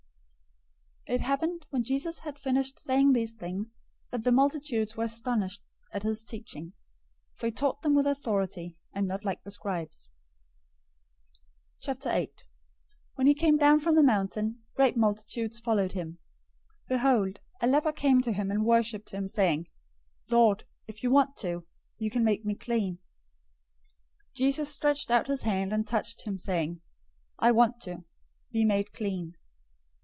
007:028 It happened, when Jesus had finished saying these things, that the multitudes were astonished at his teaching, 007:029 for he taught them with authority, and not like the scribes. 008:001 When he came down from the mountain, great multitudes followed him. 008:002 Behold, a leper came to him and worshiped him, saying, "Lord, if you want to, you can make me clean." 008:003 Jesus stretched out his hand, and touched him, saying, "I want to. Be made clean."